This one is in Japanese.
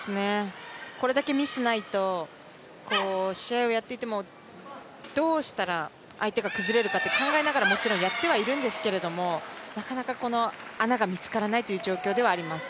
これだけミスないと、試合をやっていてもどうしたら相手が崩れるかって考えながらもちろんやってはいるんですけど、なかなか穴が見つからないという状況ではあります。